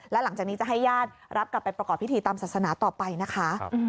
และหลังจากนี้จะให้ญาติรับกลับไปประกอบพิธีตามศาสนาต่อไปนะคะ